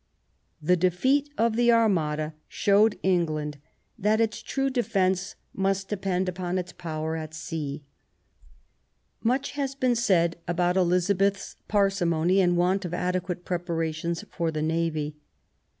The defeat of the Armada showed England that its true defence must depend upon its power at sea. Much has been said about Elizabeth's parsi mony, and want of adequate preparations for the navy.